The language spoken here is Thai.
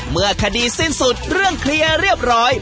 เมื่อคดีสิ้นสุดเรื่องเคลียร์เรียบร้อย